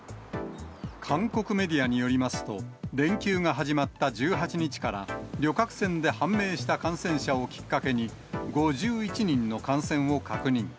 韓国メディアによりますと、連休が始まった１８日から、旅客船で判明した感染者をきっかけに、５１人の感染を確認。